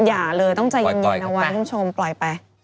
อย่าเลยต้องใจยังไงนะว่าทุกชมปล่อยไป